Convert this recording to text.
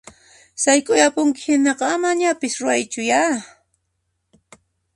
Sayk'uyapunki hinaqa amañapis ruwaychuya!